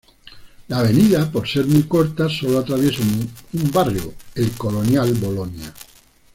La avenida por ser muy corta, sólo atraviesa un barrios, el Colonial Bolonia.